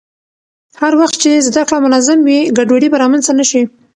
هر وخت چې زده کړه منظم وي، ګډوډي به رامنځته نه شي.